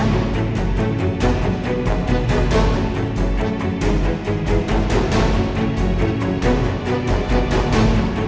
โปรดติดตามตอนต่อไป